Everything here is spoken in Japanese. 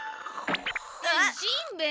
しんべヱ！